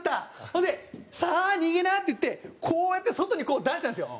それで「さあ逃げな」って言ってこうやって外にこう出したんですよ。